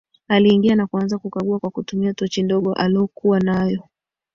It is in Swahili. Aliingia na kuanza kukagua kwa kutumia tochi ndogo alokua nayo